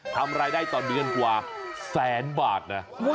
ทำรายได้ต่อเดือนกว่าแสนบาทนะ